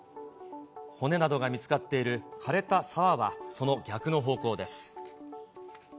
骨などが見つかっているかれた沢は、その逆の方向です。